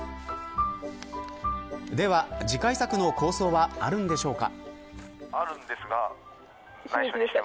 では次回作の構想はあるんでしょうか。